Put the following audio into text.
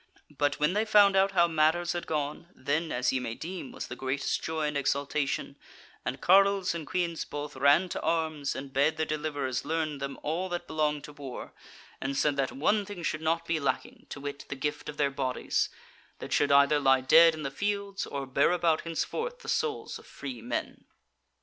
But when they found out how matters had gone, then, as ye may deem, was the greatest joy and exultation, and carles and queans both ran to arms and bade their deliverers learn them all that belonged to war, and said that one thing should not be lacking, to wit, the gift of their bodies, that should either lie dead in the fields, or bear about henceforth the souls of free men.